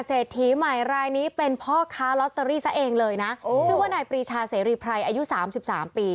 เศรษฐีใหม่รายนี้เป็นพ่อค้าลอตเตอรี่ซะเองเลยนะโอ้ชื่อว่านายปรีชาเสรีไพรอายุสามสิบสามปี